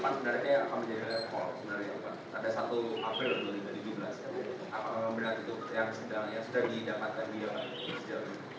sebenarnya ada satu afil yang sudah didapatkan di jawa tengah